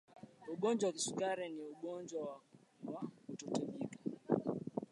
ugonjwa wa kisukari ni ugonjwa wa kimetaboliki